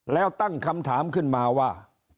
แล้วตั้งคำถามขึ้นมาว่า